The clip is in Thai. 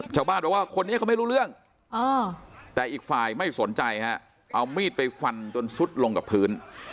ชาวบ้านบอกว่าคนนี้เขาไม่รู้เรื่องแต่อีกฝ่ายไม่สนใจฮะเอามีดไปฟันจนซุดลงกับพื้น